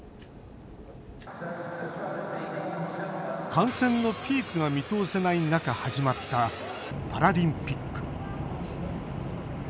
感染のピークが見通せない中始まった、パラリンピック。